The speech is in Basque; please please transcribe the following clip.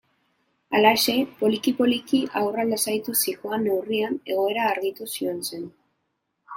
Halaxe, poliki-poliki haurra lasaituz zihoan neurrian, egoera argituz joan zen.